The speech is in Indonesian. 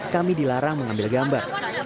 kami dilarang mengambil gambar